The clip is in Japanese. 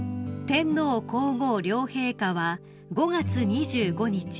［天皇皇后両陛下は５月２５日